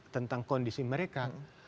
tentang kondisi mereka